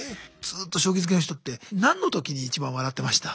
ずっと将棋づけの人って何の時に一番笑ってました？